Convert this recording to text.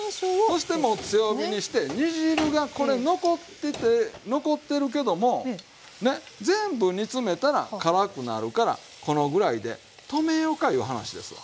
そしてもう強火にして煮汁がこれ残ってて残ってるけどもね全部煮詰めたら辛くなるからこのぐらいで止めようかいう話ですわ。